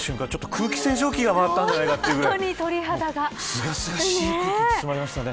空気清浄機が回ったんじゃないかというくらい清々しい空気に包まれましたね。